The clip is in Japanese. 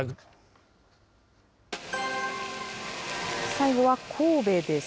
最後は神戸です。